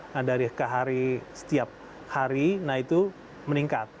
nah dari ke hari setiap hari nah itu meningkat